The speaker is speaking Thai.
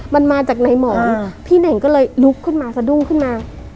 มันมาจากในหมอพี่เน่งก็เลยลุกขึ้นมาสะดุ้งขึ้นมา